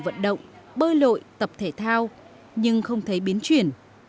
bệnh nhân vận động bơi lội tập thể thao nhưng không thấy biến chuyển